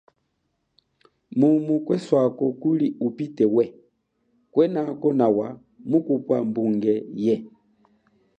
Mumu kweswako kuli upite we, kwenako nawa mukupwa mbunge ye.